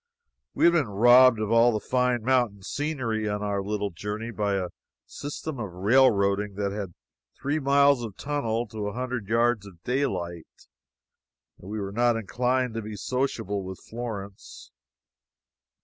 We had been robbed of all the fine mountain scenery on our little journey by a system of railroading that had three miles of tunnel to a hundred yards of daylight, and we were not inclined to be sociable with Florence.